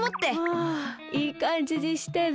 あいいかんじにしてね。